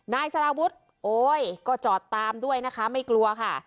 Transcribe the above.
นายสารวุฒิโอ๊ยก็จอดตามด้วยนะคะไม่กลัวค่ะ